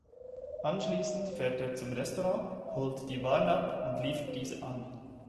Anschließend fährt er zum Restaurant, holt die Waren ab und liefert diese an.